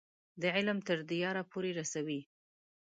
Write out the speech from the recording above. د علم تر دیاره پورې رسوي.